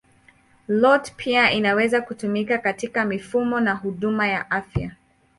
IoT pia inaweza kutumika katika mifumo ya huduma ya afya.